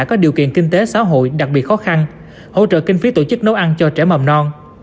có điều kiện kinh tế xã hội đặc biệt khó khăn hỗ trợ kinh phí tổ chức nấu ăn cho trẻ mầm non